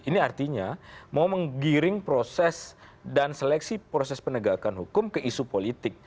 ini artinya mau menggiring proses dan seleksi proses penegakan hukum ke isu politik